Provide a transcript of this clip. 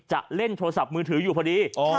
จะเล่นโทรศัพท์มือถืออยู่พอดี